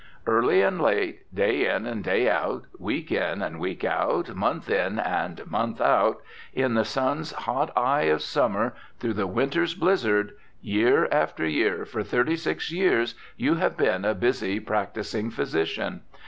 Early and late, day in and day out, week in and week out, month in and month out, in the sun's hot eye of summer, through the winter's blizzard, year after year for thirty six years you have been a busy practising physician.